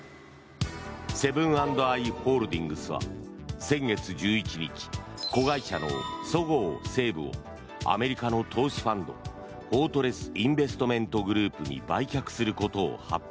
セブン＆アイ・ホールディングスは先月１１日子会社のそごう・西武をアメリカの投資ファンドフォートレス・インベストメント・グループに売却することを発表。